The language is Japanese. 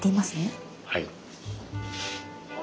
はい。